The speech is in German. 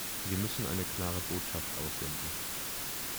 Wir müssen eine klare Botschaft aussenden.